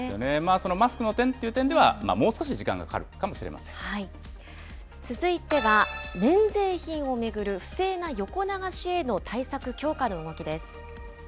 そのマスクの点というのでは、もう少し時間がかかるかもしれませ続いては、免税品を巡る不正な横流しへの対策強化の動きです。